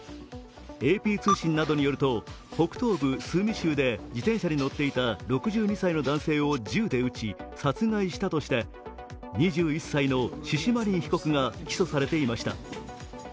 ＡＰ通信などによると、北東部スーミ州で自転車に乗っていた６２歳の男性を銃で撃ち殺害したとして２１歳のシシマリン被告が起訴されていました。